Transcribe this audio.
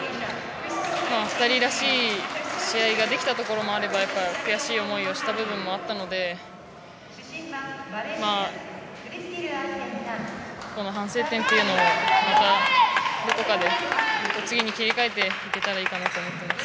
２人らしい試合ができたところもあればやっぱり悔しい思いをした部分もあったのでこの反省点というのはまた、どこかで次に切り替えていけたらいいかなと思っています。